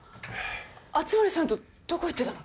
熱護さんとどこ行ってたの？